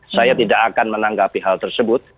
saya tidak akan menanggapi hal tersebut